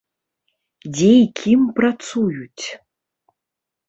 Дзе і кім працуюць?